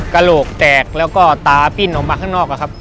กะโลกแตกและก็ตาปิดออกมันมาข้างนอกอะครับ